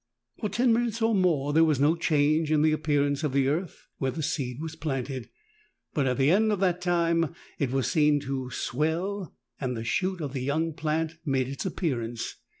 For ten minutes or more there was no change in the appearance of the earth where the seed was planted ; but at the end of that time it was seen to swell and the shoot of the young plant made its appearance.